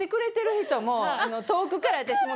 遠くから私も。